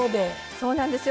そうなんですよ。